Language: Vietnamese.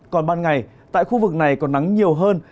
còn ban ngày tại khu vực này còn nắng nhiều hơn